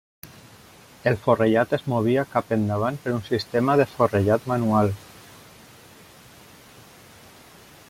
El forrellat es movia cap endavant per un sistema de forrellat manual.